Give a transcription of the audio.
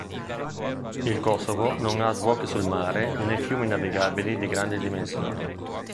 Il Kosovo non ha sbocchi sul mare né fiumi navigabili di grandi dimensioni.